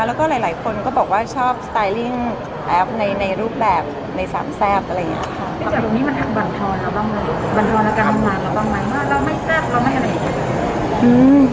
แล้วก็หลายคนก็บอกว่าชอบสไตลิ่งแอฟในรูปแบบในสามแซ่บอะไรอย่างนี้